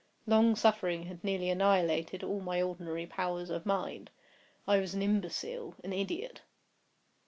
Long suffering had nearly annihilated all my ordinary powers of mind. I was an imbecile—an idiot.